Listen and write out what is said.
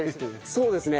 そうですね。